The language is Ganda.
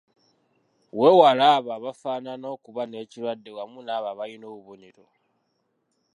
Weewale abo abafaanana okuba n’ekirwadde wamu n’abo abalina obubonero.